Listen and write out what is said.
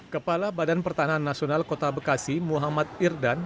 kepala badan pertahanan nasional kota bekasi muhammad irdan